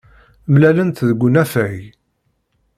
Mlalent deg unafag.